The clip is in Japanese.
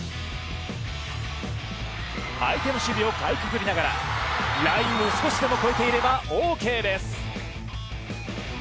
相手の守備をかいくぐりながらラインを少しでも越えていればオーケーです。